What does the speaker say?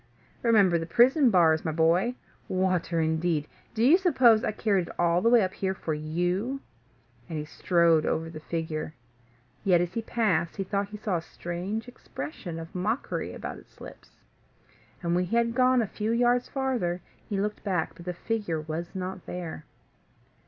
Remember the prison bars, my boy. Water indeed! Do you suppose I carried it all the way up here for you?" And he strode over the figure; yet, as he passed, he thought he saw a strange expression of mockery about its lips. And, when he had gone a few yards farther, he looked back; but the figure was not there.